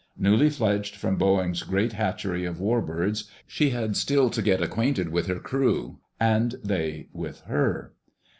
Newly fledged from Boeing's great hatchery of warbirds, she had still to get acquainted with her crew, and they with her.